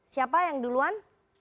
siapa yang duluan